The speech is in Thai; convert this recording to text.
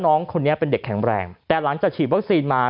น้องคนนี้เป็นเด็กแข็งแรงแต่หลังจากฉีดวัคซีนมา